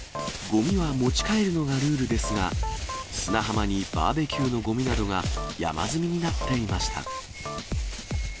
ごみは持ち帰るのがルールですが、砂浜にバーベキューのごみなどが山積みになっていました。